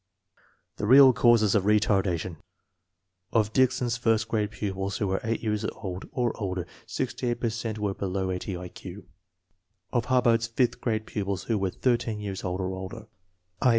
The real cause of retardation. Of Dickson's first grade pupils who were eight years old or older, 68 per cent were below 80 I Q. Of Hubbard's fifth grade pupils who were thirteen years old or older (i.